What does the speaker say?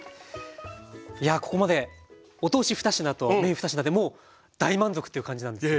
やあここまでお通し２品とメイン２品でもう大満足という感じなんですけども。